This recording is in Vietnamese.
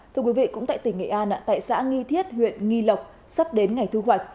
thưa quý vị cũng tại tỉnh nghệ an tại xã nghi thiết huyện nghi lộc sắp đến ngày thu hoạch